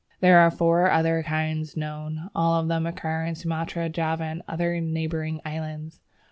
There are four other kinds known: all of them occur in Sumatra, Java, and other neighbouring islands.